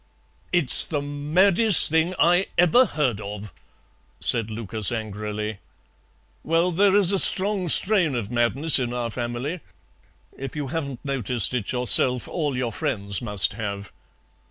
"It's the maddest thing I ever heard of," said Lucas angrily. "Well, there is a strong strain of madness in our family. If you haven't noticed it yourself all your friends must have."